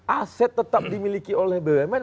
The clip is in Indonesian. aset tetap dimiliki oleh bumn